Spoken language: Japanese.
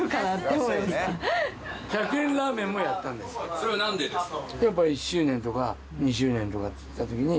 それは何でですか？